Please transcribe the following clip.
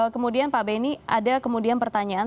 kemudian pak beni ada kemudian pertanyaan